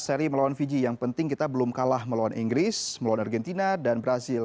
seri melawan fiji yang penting kita belum kalah melawan inggris melawan argentina dan brazil